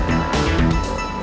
men sudah bang